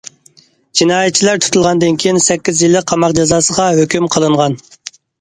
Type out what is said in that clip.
جىنايەتچىلەر تۇتۇلغاندىن كېيىن، سەككىز يىللىق قاماق جازاسىغا ھۆكۈم قىلىنغان.